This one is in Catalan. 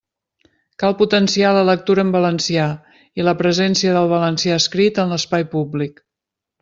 Cal potenciar la lectura en valencià i la presència del valencià escrit en l'espai públic.